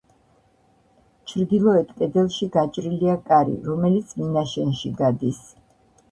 ჩრდილოეთ კედელში გაჭრილია კარი, რომელიც მინაშენში გადის.